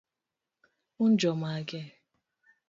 un jomage?